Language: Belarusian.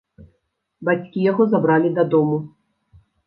Бацькі яго забралі дадому.